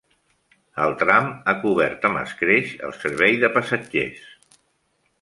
El tram ha cobert amb escreix els servei de passatgers.